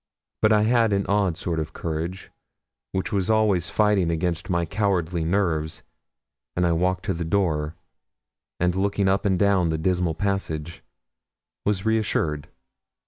But I had an odd sort of courage which was always fighting against my cowardly nerves, and I walked to the door, and looking up and down the dismal passage, was reassured.